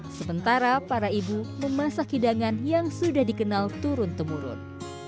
sementara para ibu memasak hidangan yang sudah dikenal turun temurun